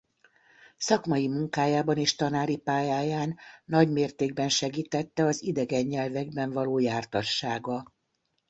Szakmai munkájában és tanári pályáján nagymértékben segítette az idegen nyelvekben való jártassága.